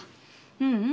ううん。